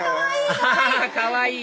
あかわいい！